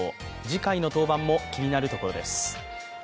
次回の登板も気になるところです。